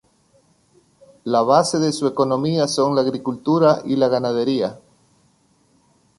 La base de su economía son la agricultura y la ganadería.